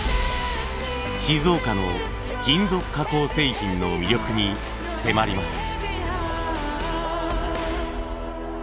静岡の金属加工製品の魅力に迫ります。